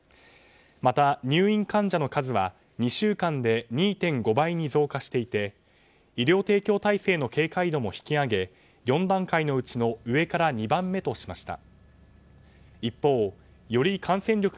また入院患者の数は２週間で２．５倍に増加していて医療提供体制の警戒度も引き上げ４段階のうちの上から２番目としました。